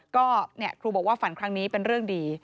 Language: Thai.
ก็ครูบอกว่าฝันครั้งนี้เป็นเรื่องดี